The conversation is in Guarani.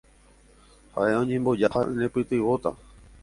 Ha'e oñembojáta ha nepytyvõta.